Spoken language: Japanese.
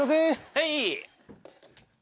はい。